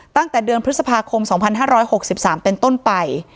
ตั้งแต่เดือนพฤษภาคม๒๕๖๓เป็นต้นไป